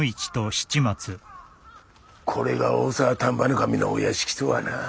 これが大沢丹波守のお屋敷とはな。